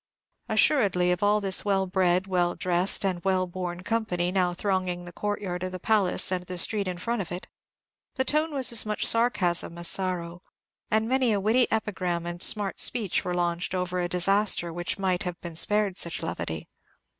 Assuredly of all this well bred, well dressed, and wellborn company, now thronging the courtyard of the palace and the street in front of it, the tone was as much sarcasm as sorrow, and many a witty epigram and smart speech were launched over a disaster which might have been spared such levity.